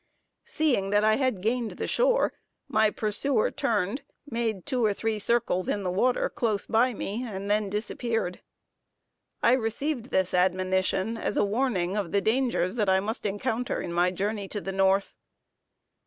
Seeing that I had gained the shore, my pursuer turned, made two or three circles in the water close by me, and then disappeared. I received this admonition as a warning of the dangers that I must encounter in my journey to the North.